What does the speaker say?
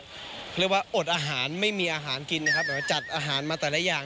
เขาเรียกว่าอดอาหารไม่มีอาหารกินนะครับจัดอาหารมาแต่ละอย่าง